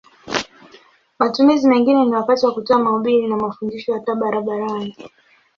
Matumizi mengine ni wakati wa kutoa mahubiri na mafundisho hata barabarani.